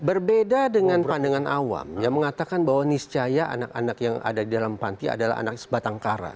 berbeda dengan pandangan awam yang mengatakan bahwa niscaya anak anak yang ada di dalam panti adalah anak sebatang kara